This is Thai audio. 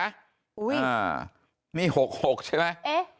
อุ้ยนี่๖๖ใช่ไหมเอ๊ะ